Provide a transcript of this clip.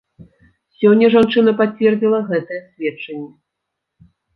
Сёння жанчына пацвердзіла гэтыя сведчанні.